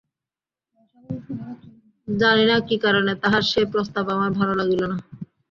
জানি না, কী কারণে তাঁহার সে প্রস্তাব আমার ভালো লাগিল না।